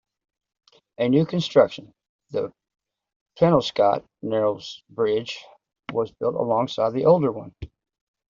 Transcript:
A new construction, the Penobscot Narrows Bridge, was built alongside the older one.